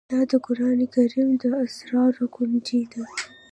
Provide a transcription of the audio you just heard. دا د قرآن کريم د اسرارو كونجي ده